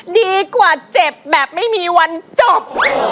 ดีกว่าเจ็บแบบไม่มีวันจบ